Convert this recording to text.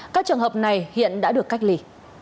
các trường hợp này hiện đã được cách lì